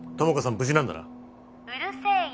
無事なんだなうるせえよ